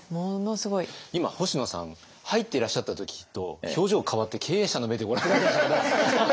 今星野さん入っていらっしゃった時と表情変わって経営者の目でご覧になっていて。